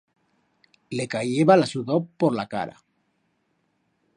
Le cayeba la sudor por la cara.